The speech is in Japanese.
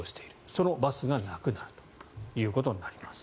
そのバスがなくなるということになります。